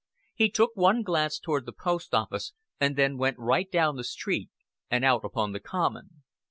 He took one glance toward the post office, and then went right down the street and out upon the common.